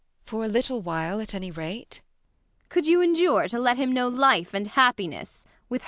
For a little while at any rate. MRS. BORKMAN. Could you endure to let him know life and happiness, with her?